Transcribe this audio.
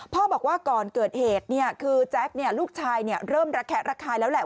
บอกว่าก่อนเกิดเหตุคือแจ๊คลูกชายเริ่มระแคะระคายแล้วแหละ